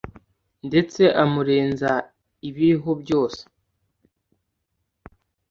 ndetse amurenza ibiriho byose.